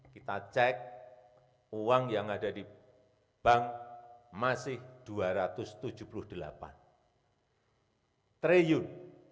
kita cek uang yang ada di bank masih rp dua ratus tujuh puluh delapan triliun